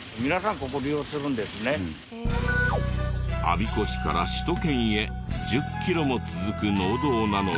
我孫子市から首都圏へ１０キロも続く農道なのに。